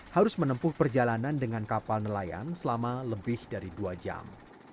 harus menempuh perjalanan dengan kapal nelayan selama lebih dari dua jam